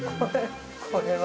これは？